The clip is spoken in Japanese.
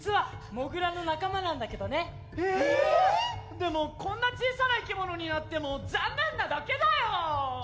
でもこんな小さないきものになってもざんねんなだけだよ！